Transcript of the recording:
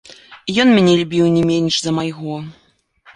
І ён мяне любіў не менш за майго.